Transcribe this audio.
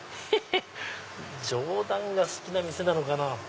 冗談が好きな店なのかな。